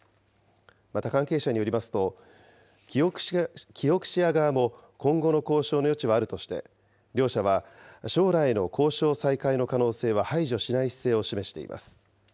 また関係者によりますと、キオクシア側も今後の交渉の余地はあるとして、両社は将来の交渉再開の可能性は排除しない姿勢を示しています。